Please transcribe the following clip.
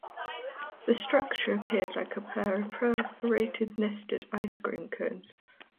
The structure appeared like a pair of perforated, nested ice cream cones.